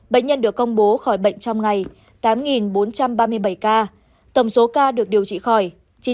bệnh nhân được công bố khỏi bệnh trong ngày tám bốn trăm ba mươi bảy ca tổng số ca được điều trị khỏi chín ba trăm bảy mươi ba hai trăm chín mươi bốn ca